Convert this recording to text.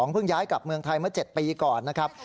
เพิ่งย้ายกลับเมืองไทยเมื่อ๗ปีก่อนนะครับ